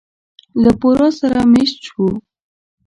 له بورا سره مېشت شوو.